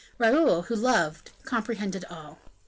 Raoul, who loved, comprehended it all.